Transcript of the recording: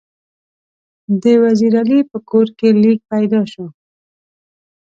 د وزیر علي په کور کې لیک پیدا شو.